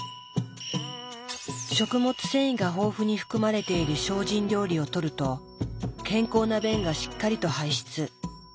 食物繊維が豊富に含まれている精進料理をとると健康な便がしっかりと排出。